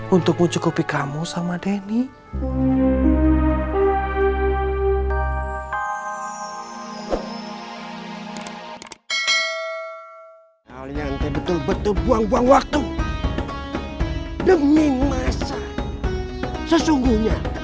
untuk mencukupi kamu sama denny